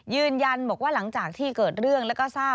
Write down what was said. ยืนยันบอกว่าหลังจากที่เกิดเรื่อง